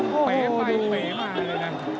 มายเบงมาเลยนะ